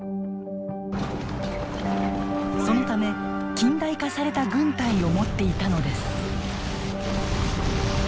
そのため近代化された軍隊を持っていたのです。